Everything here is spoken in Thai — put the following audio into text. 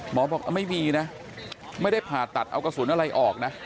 บอกไม่มีนะไม่ได้ผ่าตัดเอากระสุนอะไรออกนะ